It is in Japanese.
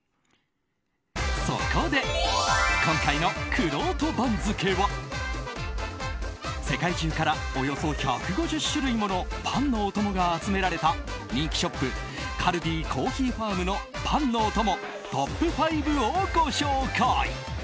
そこで、今回のくろうと番付は世界中からおよそ１５０種類ものパンのお供が集められた人気ショップカルディコーヒーファームのパンのお供トップ５をご紹介。